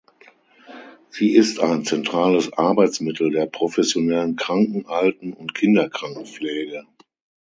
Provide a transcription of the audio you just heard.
Sie ist ein zentrales Arbeitsmittel der professionellen Kranken-, Alten- und Kinderkrankenpflege.